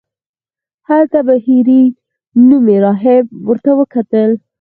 هلته بهیري نومې راهب ورته وکتل.